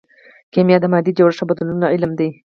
کیمیا د مادې د جوړښت او بدلونونو علم دی.